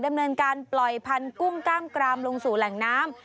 ดำเนินการปล่อยพันธุ์กุ้งกล้ามกรามลงสู่แหล่งน้ำ